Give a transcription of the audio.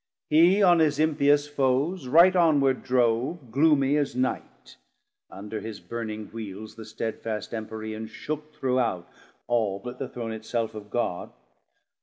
830 Hee on his impious Foes right onward drove, Gloomie as Night; under his burning Wheeles The stedfast Empyrean shook throughout, All but the Throne it self of God.